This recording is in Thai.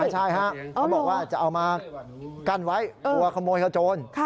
ไม่ใช่ฮะเขาบอกว่าจะเอามากั้นไว้กลัวขโมยขโจร